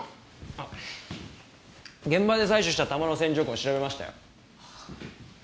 あ現場で採取した弾の線条痕調べましたよ。